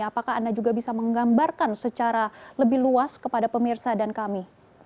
apakah anda juga bisa menggambarkan secara lebih luas kepada pemirsa dan kami